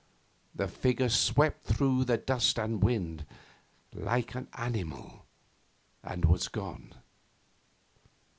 The figure swept through the dust and wind like an animal and was gone.